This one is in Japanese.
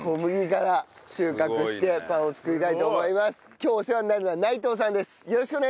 今日お世話になるのは内藤さんです。